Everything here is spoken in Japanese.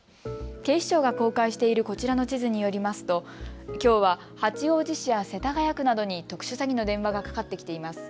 警視庁が公開しているこちらの地図によりますときょうは八王子市や世田谷区などに特殊詐欺の電話がかかってきています。